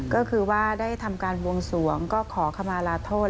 ก็คือว่าได้ทำการบวงสวงก็ขอขมาลาโทษ